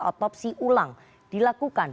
otopsi ulang dilakukan